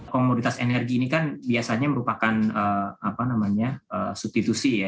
komoditas energi ini kan biasanya merupakan substitusi ya